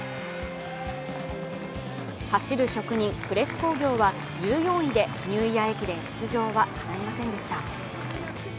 走る職人、プレス工業は１４位でニューイヤー駅伝出場はかないませんでした。